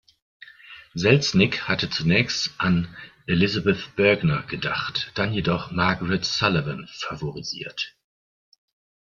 Selznick hatte zunächst an Elisabeth Bergner gedacht, dann jedoch Margaret Sullavan favorisiert.